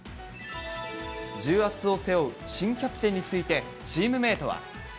重圧を背負う新キャプテンについてチームメートは。